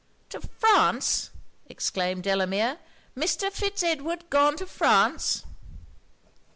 'To France!' exclaimed Delamere 'Mr. Fitz Edward gone to France?'